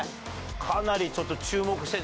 かなりちょっと注目してる。